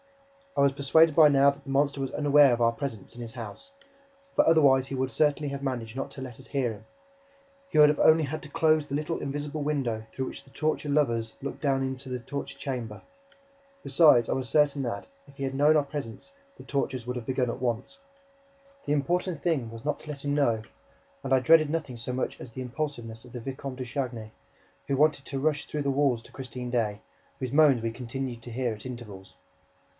I was persuaded by now that the monster was unaware of our presence in his house, for otherwise he would certainly have managed not to let us hear him. He would only have had to close the little invisible window through which the torture lovers look down into the torture chamber. Besides, I was certain that, if he had known of our presence, the tortures would have begun at once. The important thing was not to let him know; and I dreaded nothing so much as the impulsiveness of the Vicomte de Chagny, who wanted to rush through the walls to Christine Daae, whose moans we continued to hear at intervals.